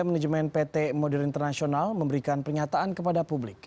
manajemen pt modern international memberikan pernyataan kepada publik